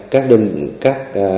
các đơn vị